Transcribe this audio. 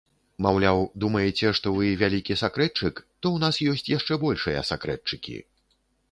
Маўляў, думаеце, што вы вялікі сакрэтчык, то ў нас ёсць яшчэ большыя сакрэтчыкі.